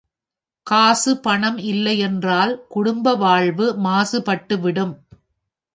காசு பணம் இல்லை என்றால், குடும்ப வாழ்வு மாசு பட்டுவிடும்.